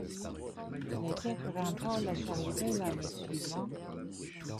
L'équipe remporte la Série B l'année suivante.